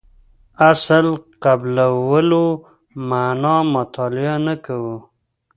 اصل قبلولو معنا مطالعه نه کوو.